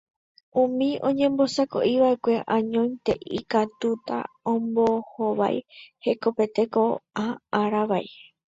Umi oñembosako'iva'ekue añoite ikatúta ombohovái hekopete ko'ã ára vai.